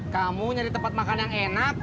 kamu nyari tempat makan yang enak